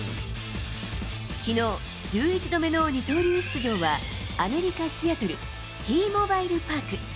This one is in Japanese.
きのう、１１度目の二刀流出場はアメリカ・シアトル、Ｔーモバイル・パーク。